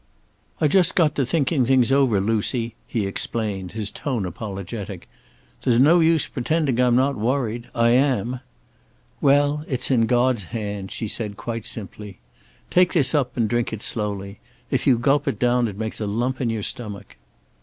"I just got to thinking things over, Lucy," he explained, his tone apologetic. "There's no use pretending I'm not worried. I am." "Well, it's in God's hands," she said, quite simply. "Take this up and drink it slowly. If you gulp it down it makes a lump in your stomach."